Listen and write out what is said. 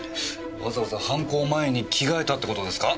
わざわざ犯行前に着替えたって事ですか？